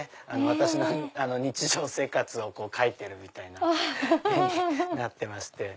私の日常生活を描いてるみたいな絵になってまして。